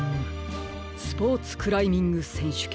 「スポーツクライミングせんしゅけん